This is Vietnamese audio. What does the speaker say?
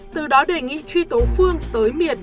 từ đó đề nghị truy tố phương tới miền